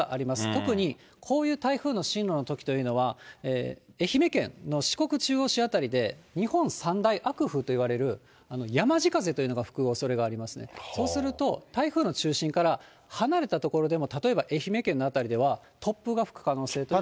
特にこういう台風の進路のときというのは、愛媛県の四国中央市辺りで日本三大悪風といわれるやまじ風というのが吹くおそれがありますので、そうすると、台風の中心から離れた所でも例えば愛媛県の辺りでは、突風が吹く可能性が。